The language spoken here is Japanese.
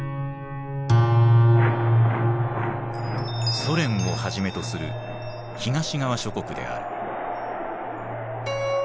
ソ連をはじめとする東側諸国である。